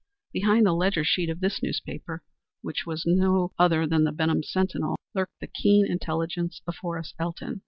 Behind the ledger sheet of this newspaper which was no other than the Benham Sentinel lurked the keen intelligence of Horace Elton.